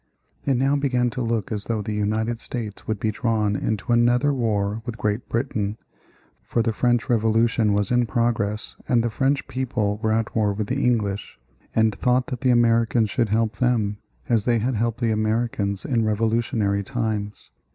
It now began to look as though the United States would be drawn into another war with Great Britain. For the French Revolution was in progress and the French people were at war with the English, and thought that the Americans should help them as they had helped the Americans in Revolutionary times.